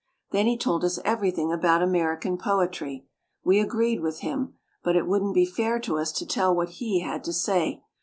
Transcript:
Then he told us everything about American poetry. We agreed with him. But it wouldn't be fair to us to tell what he had to say.